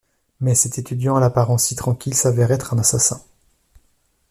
Mais cet étudiant à l'apparence si tranquille s'avère être un assassin.